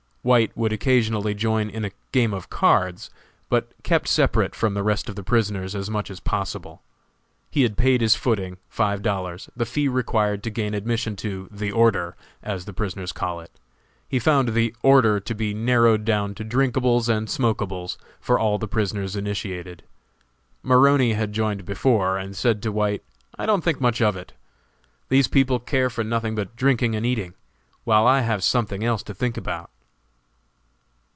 White would occasionally join in a game of cards, but kept separate from the rest of the prisoners as much as possible. He had paid his footing, five dollars, the fee required to gain admission to "the order" as the prisoners call it. He found the "order" to be narrowed down to drinkables and smokables for all the prisoners initiated. Maroney had joined before, and said to White, "I don't think much of it. These people care for nothing but drinking and eating, while I have something else to think about."